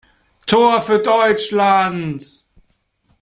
Tor für Deutschland!